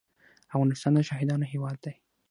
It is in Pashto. افغانستان د شهیدانو هیواد دی